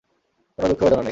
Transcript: কোন দুঃখ-বেদনা নেই।